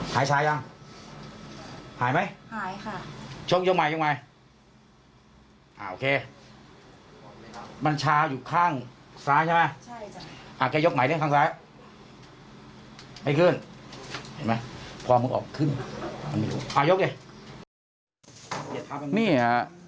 ทีนี้พอได้สำรวจตรวจสอบแบบนี้แล้วเนี่ย